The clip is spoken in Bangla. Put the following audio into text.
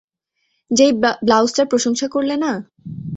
যেই ব্লাউজটার প্রশংসা করলে না?